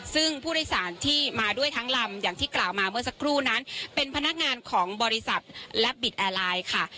ซึ่งผู้โดยสารที่มาด้วยทั้งลำอย่างที่กล่าวมาเมื่อสักครู่นั้นเป็นพนักงานของบริษัทและบิตแอร์ไลน์ค่ะ